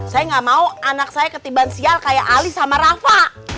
saya nggak mau anak saya ketiban sial kayak ali sama rafa